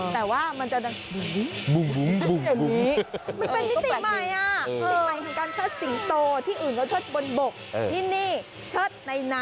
แต่ว่ามันจะอย่างนี้